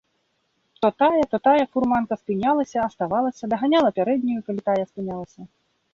То тая, то тая фурманка спынялася, аставалася, даганяла пярэднюю, калі тая спынялася.